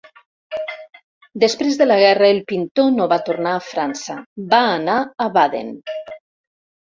Després de la guerra, el pintor no va tornar a França, va anar a Baden.